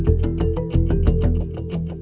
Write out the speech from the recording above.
ไม่มีทางที่หรอ